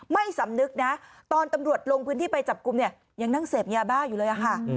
ไม่สำนึกนะตอนตำรวจลงพื้นที่ไปจับกลุ่มเนี่ยยังนั่งเสพยาบ้าอยู่เลยค่ะ